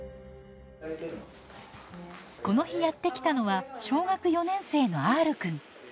この日やって来たのは小学４年生のＲくん。